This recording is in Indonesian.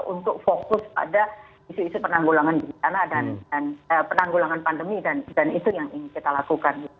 untuk fokus pada isu isu penanggulangan bencana dan penanggulangan pandemi dan itu yang ingin kita lakukan